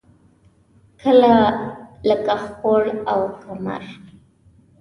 کله لکه خوړ او کمر.